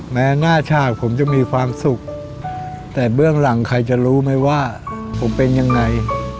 แม้หน้าชาติผมจะมีความสุขแต่เบื้องหลังใครจะรู้ไหมว่าผมเป็นยังไง